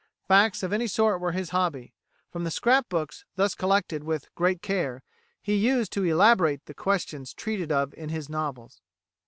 Facts of any sort were his hobby. From the scrap books thus collected with great care, he used to 'elaborate' the questions treated of in his novels."